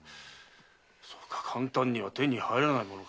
そうか簡単には手に入らないものか。